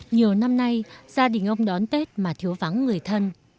nhiều năm nay gia đình ông đón tết mà thiếu vắng người thân